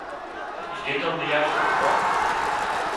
Is dit dan de juiste aanpak?